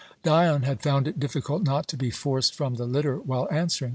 Dion had found it difficult not to be forced from the litter while answering.